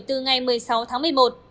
từ ngày một mươi sáu tháng một mươi một